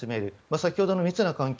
先ほどの密な環境。